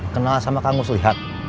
kenal sama kamus lihat